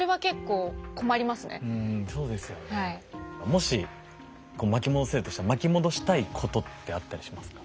もしこう巻き戻せるとしたら巻き戻したいことってあったりしますか？